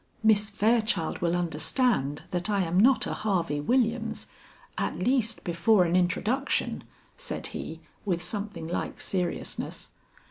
"Miss Fairchild will understand that I am not a Harvey Williams at least before an introduction," said he with something like seriousness.